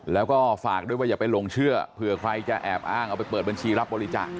แล้วก็ฝากด้วยว่าอย่าไปหลงเชื่อเผื่อใครจะแอบอ้างเอาไปเปิดบัญชีรับบริจาค